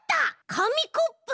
かみコップ！